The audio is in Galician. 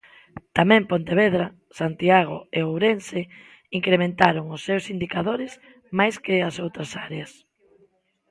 Tamén Pontevedra, Santiago e Ourense incrementaron os seus indicadores máis que as outras áreas.